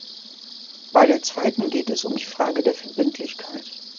Bei der zweiten geht es um die Frage der Verbindlichkeit.